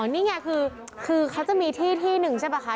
นี่ไงคือเขาจะมีที่ที่หนึ่งใช่ป่ะคะ